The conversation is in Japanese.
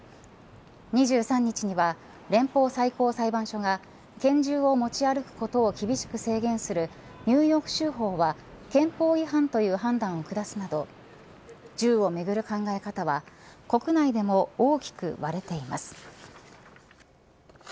２３日には連邦最高裁判所が拳銃を持ち歩くことを厳しく制限するニューヨーク州法は憲法違反との判断を下すなど銃をめぐる考え方は国内でも大きく割れています。